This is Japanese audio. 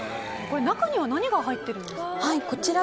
中には何が入ってるんですか？